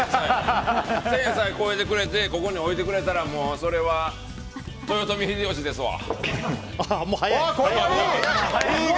線さえ越えてくれてここに置いてくれたらそれは豊臣秀吉ですわ！